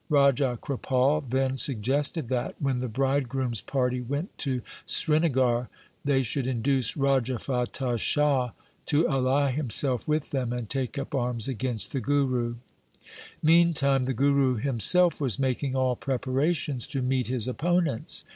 Raja Kripal then suggested that, when the bridegroom's party went to Srinagar, they should induce Raja Fatah Shah to ally himself with them and take up arms against the Guru. Meantime the Guru himself was making all pre parations to meet his opponents.